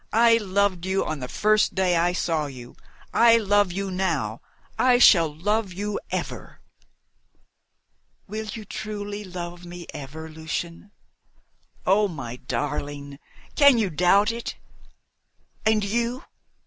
"I loved you on the first day I saw you! I love you now I shall love you ever!" "Will you truly love me ever, Lucian?" "Oh, my darling! Can you doubt it? And you?"